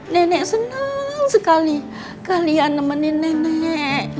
nenek senang sekali kalian nemenin nenek